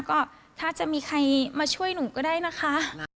ก็ถ้าจะมีใครมาช่วยหนูก็ได้นะคะ